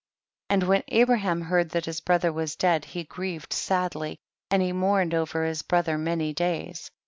28. And when Abraham heard that his brother was dead he grieved sadly, and he mourned over his brother many days.